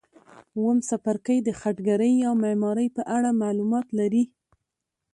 اووم څپرکی د خټګرۍ یا معمارۍ په اړه معلومات لري.